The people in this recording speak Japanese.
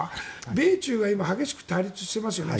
米中が今激しく対立してますよね。